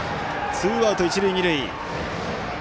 ツーアウト、一塁二塁。